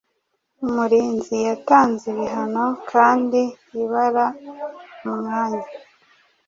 Umurinzi yatanze ibihano Kandi ibara umwanya